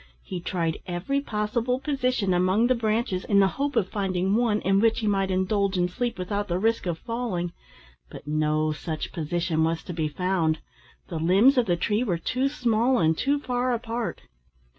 He tried every possible position among the branches, in the hope of finding one in which he might indulge in sleep without the risk of falling, but no such position was to be found; the limbs of the tree were too small and too far apart.